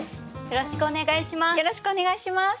よろしくお願いします。